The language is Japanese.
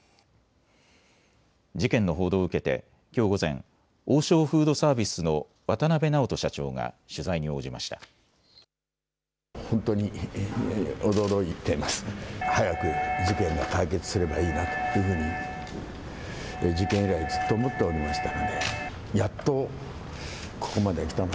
事件の報道を受けてきょう午前、王将フードサービスの渡邊直人社長が取材に応じました。